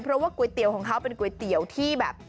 เพราะว่าก๋วยเตี๋ยวของเขาเป็นก๋วยเตี๋ยวที่แบบ